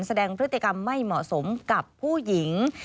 แสดงพฤติกรรมไม่เหมาะสมกับผู้หญิง